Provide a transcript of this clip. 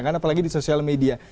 karena apalagi di sosial media